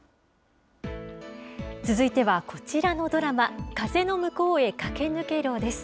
続いてはこちらのドラマ、風の向こうへ駆け抜けろです。